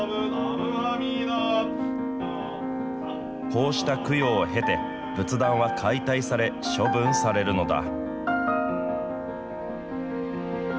こうした供養を経て、仏壇は解体され、処分されるのだ。